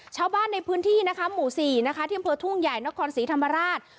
ชาวบ้านในพื้นที่หมู่๔เที่ยงพื้นทุ่งใหญ่นครศรีธรรมราช